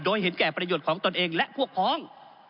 โดยเห็นแก่ประโยชน์ของตนเองและพวกพ้อง